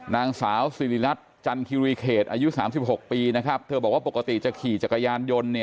นางสาวสิริรัตน์จันคิรีเขตอายุ๓๖ปีนะครับเธอบอกว่าปกติจะขี่จักรยานยนต์